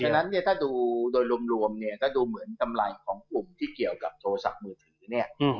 ฉะนั้นเนี่ยถ้าดูโดยรวมเนี่ยก็ดูเหมือนกำไรของกลุ่มที่เกี่ยวกับโทรศัพท์มือถือเนี่ย